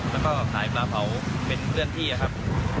แล้วก็ขายปลาเผาเป็นเลื่อนที่ครับ